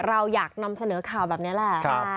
เราอยากนำเสนอข่าวแบบนี้แหละ